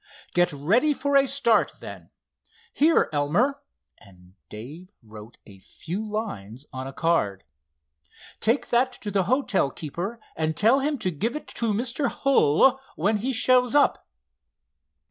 "Get ready for a start, then. Here, Elmer," and Dave wrote a few lines on a card. "Take that to the hotel keeper and tell him to give it to Mr. Hull when he shows up."